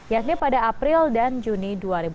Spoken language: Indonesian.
yakni pada april dan juni dua ribu tujuh belas